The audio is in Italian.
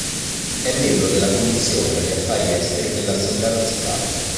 È membro della commissione per gli affari esteri dell'Assemblea nazionale.